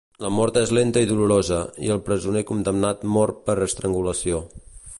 La mort és lenta i dolorosa, i el presoner condemnat mor per estrangulació.